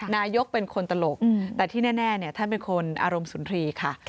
นายกเป็นคนตลกแต่ที่แน่ท่านเป็นคนอารมณ์สุนทรีย์ค่ะ